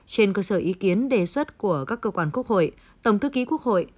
trên cơ sở ý kiến đề xuất của các cơ quan quốc hội tổng thư ký quốc hội